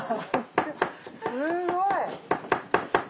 すごい。